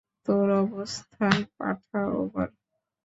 তোর অবস্থান পাঠা, ওভার!